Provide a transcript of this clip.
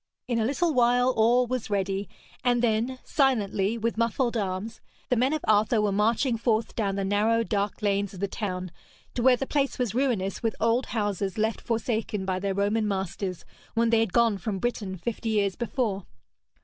In a little while all was ready, and then, silently, with muffled arms, the men of Arthur were marching forth down the narrow dark lanes of the town to where the place was ruinous with old houses left forsaken by their Roman masters when they had gone from Britain fifty years before.